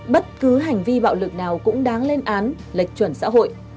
bất cứ hành vi bạo lực nào cũng đáng lên án lệch chuẩn xã hội